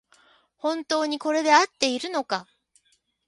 本当にこれであっているのか